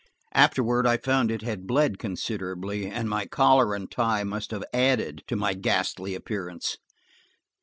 Afterward I found it had bled considerably, and my collar and tie must have added to my ghastly appearance.